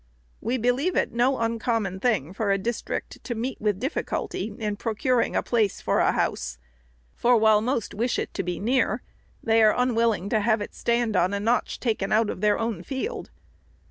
We believe it no uncommon thing for a district to meet with difficulty in procuring a place for a house ; for while most wish it to be near, they are unwilling to have it stand on a notch, taken out of their own field.